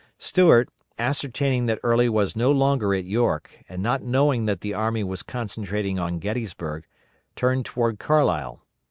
Stuart, ascertaining that Early was no longer at York, and not knowing that the army was concentrating on Gettysburg, turned toward Carlisle.